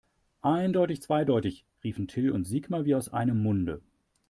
Eindeutig zweideutig, riefen Till und Sigmar wie aus einem Munde.